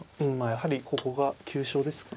やはりここが急所ですかね。